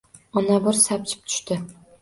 Ona bir sapchib tushdi